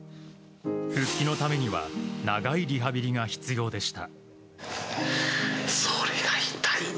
復帰のためには長いリハビリが必要でした。